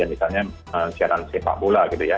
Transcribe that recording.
misalnya siaran sepak bola gitu ya